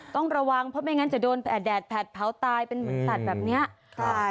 ต้องระวังเพราะไม่งั้นจะโดนแดดแผดเผาตายเป็นเหมือนสัตว์แบบนี้ตาย